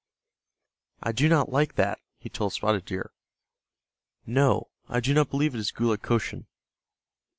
"I do not like that," he told Spotted Deer. "No, I do not believe it is Gulukochsun."